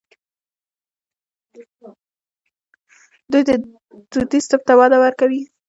دوی دودیز طب ته وده ورکوي.